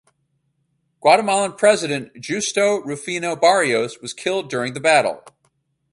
Guatemalan President Justo Rufino Barrios was killed during the battle.